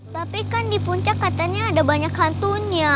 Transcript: tapi kan di puncak katanya ada banyak hantunya